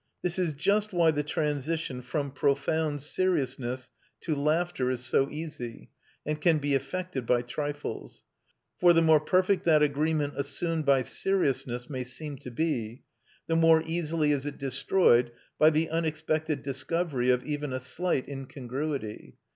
This is just why the transition from profound seriousness to laughter is so easy, and can be effected by trifles. For the more perfect that agreement assumed by seriousness may seem to be, the more easily is it destroyed by the unexpected discovery of even a slight incongruity.